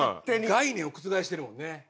概念を覆してるもんね。